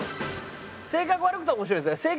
性格悪くて面白いヤツ。